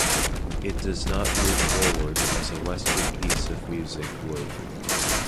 It does not move forward as a Western piece of music would.